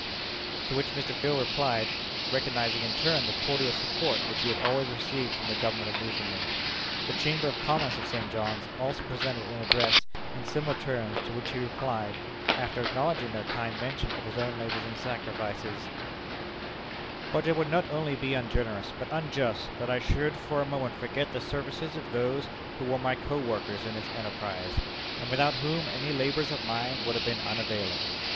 to which Mr. Field replied, recognizing in turn the cordial support which he had always received from the Government of Newfoundland. The Chamber of Commerce of St. John's also presented an address in similar terms, to which he replied after acknowledging their kind mention of his own labors and sacrifices: "But it would not only be ungenerous, but unjust, that I should for a moment forget the services of those who were my co workers in this enterprise, and without whom any labors of mine would have been unavailing.